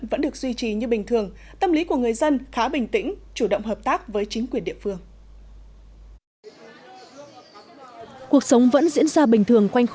vẫn được duy trì như bình thường tâm lý của người dân khá bình tĩnh chủ động hợp tác với chính quyền địa phương